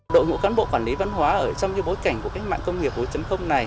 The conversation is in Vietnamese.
đội ngũ cán bộ quản lý văn hóa ở trong bối cảnh của cách mạng công nghiệp hối chấm không này